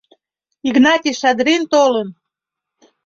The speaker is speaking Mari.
— Игнатий Шадрин толын!